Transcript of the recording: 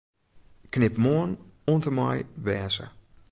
Knip 'Moarn' oant en mei 'wêze'.